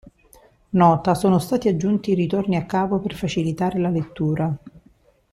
Nota: sono stati aggiunti i ritorni a capo per facilitare la lettura.